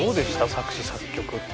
作詞・作曲って。